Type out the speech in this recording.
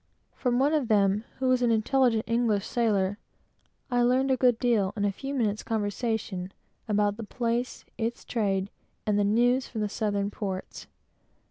From one of them, who was an intelligent English sailor, I learned a good deal, in a few minutes' conversation, about the place, its trade, and the news from the southern ports.